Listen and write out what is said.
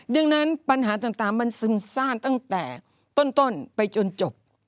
ดังนั้นปัญหาต่างมันซึมซ่านตั้งแต่ต้นไปจนจบ